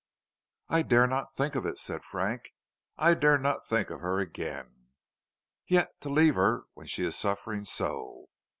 "I dare not think of it," said Frank. "I dare not think of her again. Yet to leave her when she is suffering so!